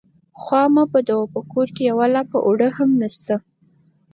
_خوا مه بدوه، په کور کې يوه لپه اوړه هم نشته.